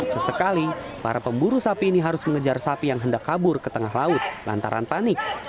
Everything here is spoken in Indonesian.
sesekali para pemburu sapi ini harus mengejar sapi yang hendak kabur ke tengah laut lantaran panik